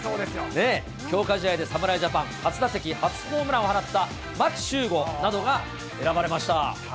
強化試合で侍ジャパン、初打席初ホームランを放った牧秀悟などが選ばれました。